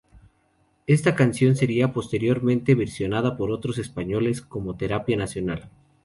Esta canción sería posteriormente versionada por otros grupos españoles como Terapia Nacional.